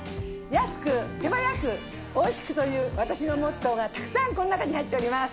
安く手早くおいしくという私のモットーがたくさんこの中に入っております。